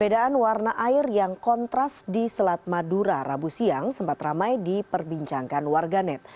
perbedaan warna air yang kontras di selat madura rabu siang sempat ramai diperbincangkan warganet